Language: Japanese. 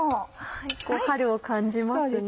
春を感じますね。